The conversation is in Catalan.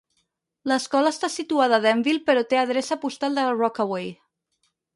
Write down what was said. L'escola està situada a Denville però té adreça postal de Rockaway.